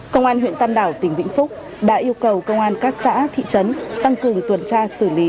công an huyện tam đảo tỉnh vĩnh phúc đã yêu cầu công an các xã thị trấn tăng cường tuần tra xử lý